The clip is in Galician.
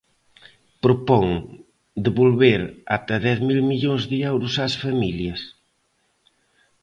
Propón devolver ata dez mil millóns de euros ás familias.